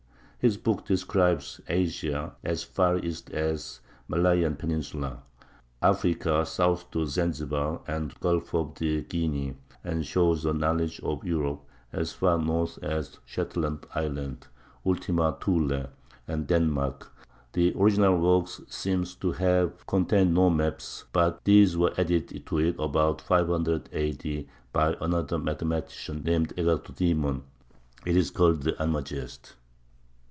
His book describes Asia as far east as the Malayan peninsula, Africa south to Zanzibar and the Gulf of Guinea, and shows a knowledge of Europe as far north as the Shetland Islands (Ultima Thule) and Denmark; the original work seems to have contained no maps, but these were added to it about 500 A. D. by another mathematician named Agathodæmon. It is called the Almagest.